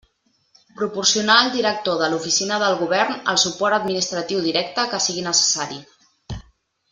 Proporcionar al director de l'Oficina del Govern el suport administratiu directe que sigui necessari.